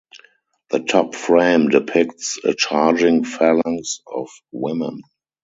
The top frame depicts a charging phalanx of women.